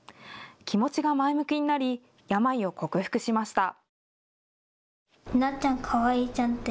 気持ちが前向きになり病を克服しました。